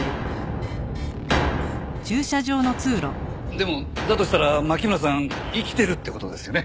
でもだとしたら牧村さん生きてるって事ですよね。